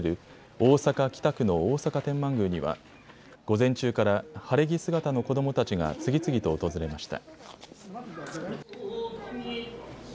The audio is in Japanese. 大阪北区の大阪天満宮には午前中から晴れ着姿の子どもたちが次々と訪れました。